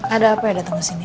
ada apa yang datang ke sini